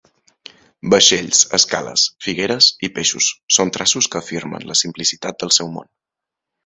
Vaixells, escales figueres i peixos són traços que afirmen la simplicitat del seu món.